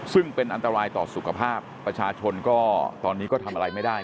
ซึ่งเป็นอันตรายต่อสุขภาพประชาชนก็ตอนนี้ก็ทำอะไรไม่ได้